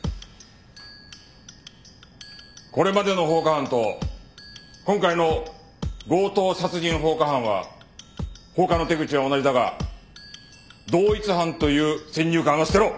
これまでの放火犯と今回の強盗殺人放火犯は放火の手口は同じだが同一犯という先入観は捨てろ。